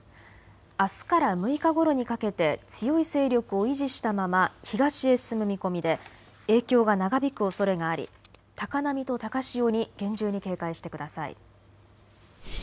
あすから６日ごろにかけて強い勢力を維持したまま東へ進む見込みで影響が長引くおそれがあり高波と高潮に厳重に警戒してください。